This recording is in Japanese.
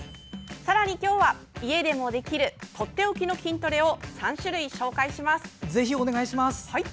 さらに今日は家でもできるとっておきの筋トレを３種類、紹介します。